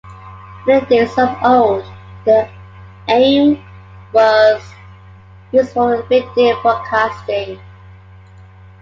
In the days of old, the am was used for the 'big deal' broadcasting.